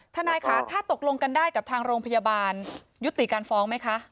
ทนายค่ะถ้าตกลงกันได้กับทางโรงพยาบาลยุติการฟ้องไหมคะ